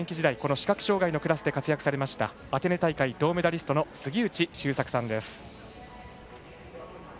視覚障がいのクラスで活躍されましたアテネ大会銅メダリストの杉内周作さんです。